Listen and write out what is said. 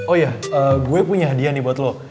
oh ya gue punya hadiah nih buat lo